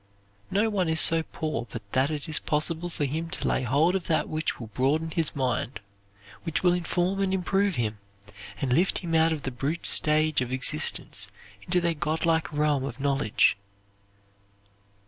No one is so poor but that it is possible for him to lay hold of that which will broaden his mind, which will inform and improve him, and lift him out of the brute stage of existence into their god like realm of knowledge.